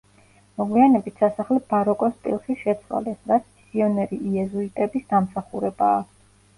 მოგვიანებით სასახლე ბაროკოს სტილში შეცვალეს, რაც მისიონერი იეზუიტების დამსახურებაა.